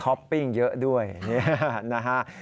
ท็อปปิ้งเยอะด้วยนะฮะ